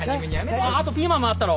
あとピーマンもあったろ？